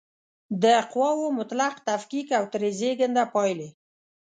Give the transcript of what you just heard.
د قواوو مطلق تفکیک او ترې زېږنده پایلې